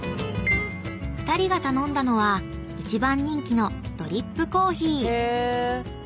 ［２人が頼んだのは一番人気のドリップコーヒー］